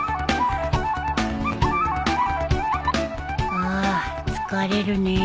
ああ疲れるねえ